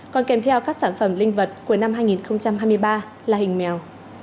còn kèm theo các sản phẩm linh vật của năm hai nghìn hai mươi ba là hình mèo